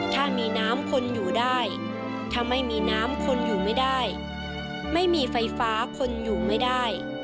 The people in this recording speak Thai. ถ้ามีน้ำคนอยู่ได้ถ้าไม่มีน้ำคนอยู่ไม่ได้ไม่มีไฟฟ้าคนอยู่ไม่ได้